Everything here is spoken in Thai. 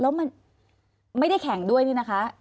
แล้วมันไม่ได้แข่งด้วยนี่นะคะ